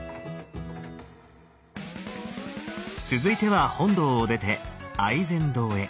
続いては本堂を出て愛染堂へ。